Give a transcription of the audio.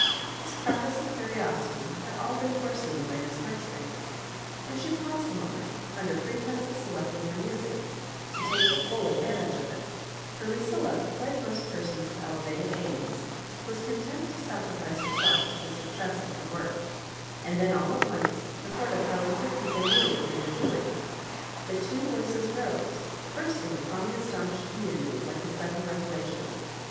This preface of curiosity had aU been fore seen by Miss Maijoribanks, and she paused a moment, under pretence of selecting her music^ to take the full advantage of it; for LuciUa, like most persons of elevated aims, was con tent to sacrifice herself to the success 'Of her work; and then all at once, before the Car lingford people knew what they were doing, the two voices rose, bursting upon the astonished community like a sudden revelation.